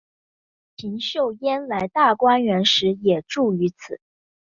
邢岫烟来大观园时也住于此。